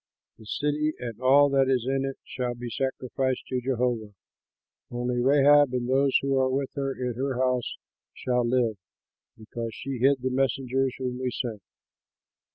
The city and all that is in it shall be sacrificed to Jehovah; only Rahab and those who are with her in her house shall live, because she hid the messengers whom we sent."